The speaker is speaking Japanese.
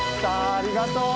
ありがとう。